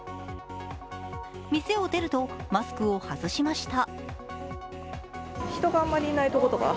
店を出るとマスクを外しました。